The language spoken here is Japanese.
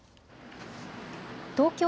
東京